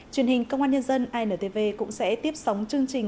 truyền hình công an nhân dân intv cũng sẽ tiếp sóng chương trình